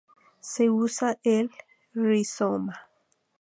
Se usa el rizoma.